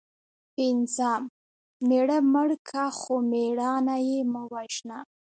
پنځم:مېړه مړ که خو مړانه یې مه وژنه